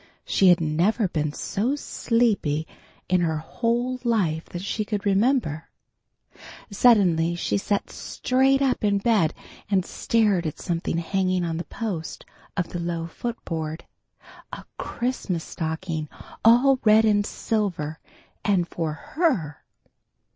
She had never been so sleepy in her whole life, that she could remember. Suddenly she sat straight up in bed and stared at something hanging on the post of the low footboard; a Christmas stocking all red and silver, and for her!